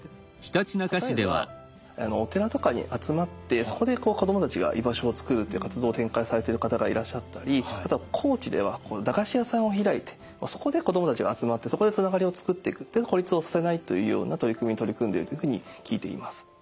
例えばお寺とかに集まってそこで子どもたちが居場所を作るという活動を展開されてる方がいらっしゃったりあとは高知では駄菓子屋さんを開いてそこで子どもたちが集まってそこでつながりを作っていく孤立をさせないというような取り組みに取り組んでいるというふうに聞いています。